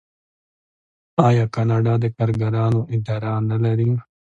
آیا کاناډا د کارګرانو اداره نلري؟